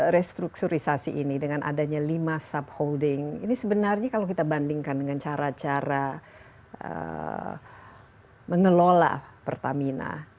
restrukturisasi ini dengan adanya lima subholding ini sebenarnya kalau kita bandingkan dengan cara cara mengelola pertamina